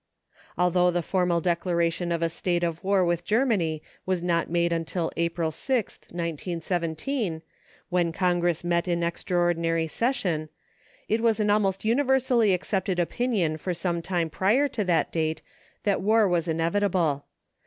Although the formal declaration of a state of war with Germany was not made until April 6, 1917, when Congress met in extraordinary session, it was an almost universally accepted opinion for some time prior to that date that war was inevitable.